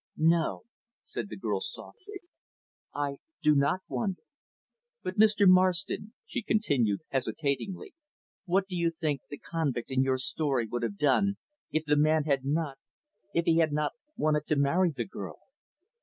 "No," said the girl, softly, "I do not wonder. But, Mr. Marston," she continued, hesitatingly, "what do you think the convict in your story would have done if the man had not if he had not wanted to marry the girl?"